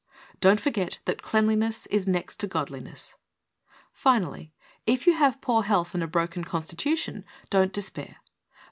Don't forget that "Cleanliness is next to godliness." Finally. If you have poor health and a broken constitution, don't despair.